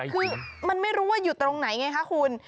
คือมันไม่รู้ว่าอยู่ตรงไหนไงคะคุณ